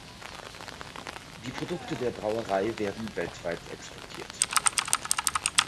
Die Produkte der Brauerei werden weltweit exportiert.